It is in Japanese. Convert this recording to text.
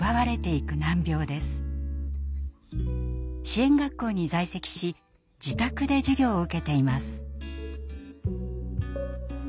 支援学校に在籍し自宅で授業を受けています。